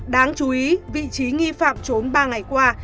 đáng chú ý vị trí nghi phạm trốn ba ngày qua